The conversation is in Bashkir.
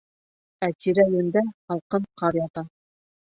Ә тирә-йүндә һалҡын ҡар ята.